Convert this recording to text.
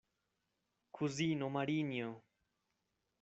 Kuzino Marinjo!